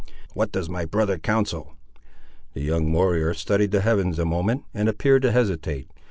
"What does my brother counsel?" The young warrior studied the heavens a moment, and appeared to hesitate.